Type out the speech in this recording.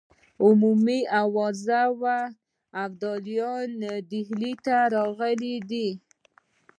عمومي آوازه وه ابدالي ډهلي ته راغلی دی.